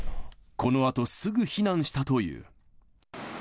このあとすぐ避難したという。